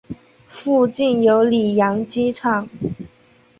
附近有里扬机场。